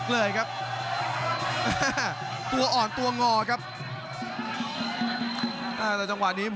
รับทราบบรรดาศักดิ์